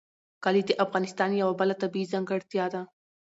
کلي د افغانستان یوه بله طبیعي ځانګړتیا ده.